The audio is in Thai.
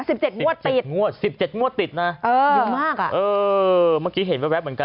สิบเจ็ดงวดติดงวดสิบเจ็ดงวดติดนะเออเยอะมากอ่ะเออเมื่อกี้เห็นแวบเหมือนกัน